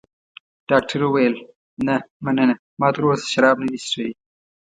ډاکټر وویل: نه، مننه، ما تراوسه شراب نه دي څښلي.